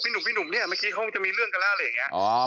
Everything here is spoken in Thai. หนุ่มพี่หนุ่มเนี่ยเมื่อกี้เขาจะมีเรื่องกันแล้วอะไรอย่างนี้